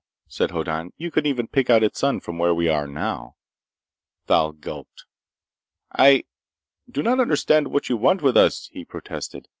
said Hoddan. "You couldn't even pick out its sun, from where we are now!" Thal gulped. "I ... do not understand what you want with us," he protested.